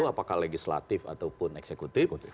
apakah legislatif ataupun eksekutif